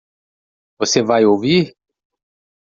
Você vai ouvir?